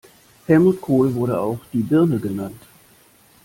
Helmut Kohl wurde auch "die Birne" genannt.